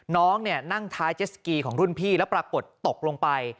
น้องนั่งท้ายเจสกีของรุ่นพี่แล้วปรากฏตกลงไป